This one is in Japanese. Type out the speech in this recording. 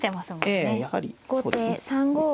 ええやはりそうですね。